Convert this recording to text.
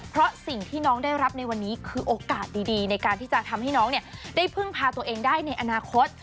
เพราะสิ่งที่น้องได้รับในวันนี้คือโอกาสดีในการที่จะทำให้น้องได้พึ่งพาตัวเองได้ในอนาคต